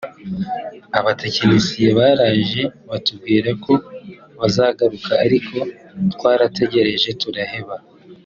Abatekinisiye baraje batubwira ko bazagaruka ariko twarategereje turaheba